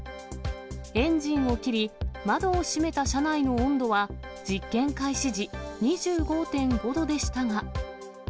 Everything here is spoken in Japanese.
エンジンを切り、窓を閉めた車内の温度は実験開始時、２５．５度でしたが。